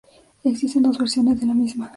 Existen dos versiones de la misma.